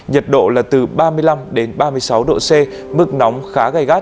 nhật độ là từ ba mươi năm đến ba mươi sáu độ c mức nóng khá gây gắt